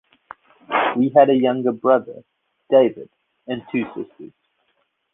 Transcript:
He had a younger brother, David, and two sisters.